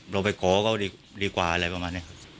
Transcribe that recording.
เราไปขอเขาดีกว่าอะไรประมาณนี้ครับ